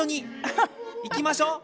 行きましょう！